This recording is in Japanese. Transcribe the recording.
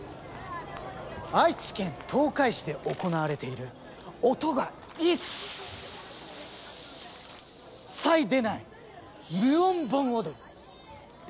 愛知県東海市で行われている音がいっさい出ない無音盆踊りです。